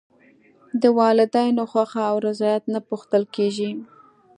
د والدینو خوښه او رضایت نه پوښتل کېږي.